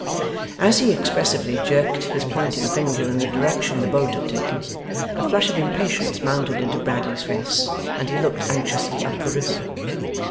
As he expressively jerked his pointing finger in the direction the boat had taken, a flush of impatience mounted into Bradley's face, and he looked anxiously up the river.